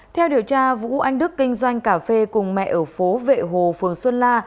theo điều tra vũ anh đức kinh doanh cà phê cùng mẹ ở phố vệ hồ phường xuân la